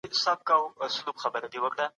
د ښځو اړوند له الله څخه وويريږئ.